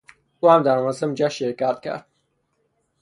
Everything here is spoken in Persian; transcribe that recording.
او هم در مراسم جشن شرکت کرد.